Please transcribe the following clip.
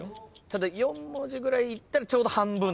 ただ４文字ぐらいいったらちょうど半分というか。